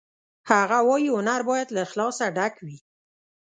هغه وایی هنر باید له اخلاصه ډک وي